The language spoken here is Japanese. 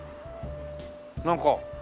なんか。